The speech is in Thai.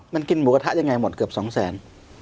มันกินหมูกระทะยังไงหมดเกือบ๒แสน